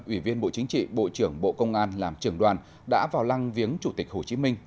ủy viên bộ chính trị bộ trưởng bộ công an làm trưởng đoàn đã vào lăng viếng chủ tịch hồ chí minh